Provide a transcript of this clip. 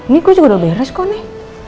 kok gue juga udah beres nih